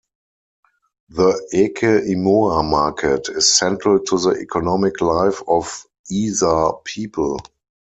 The Eke Imoha market is central to the economic life of Ezaa people.